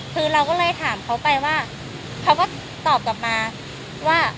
คือเราก็เลยถามเขาไปว่าเขาก็ตอบกลับมาว่า